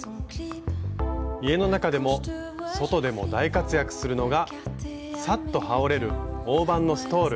家の中でも外でも大活躍するのがサッとはおれる大判のストール。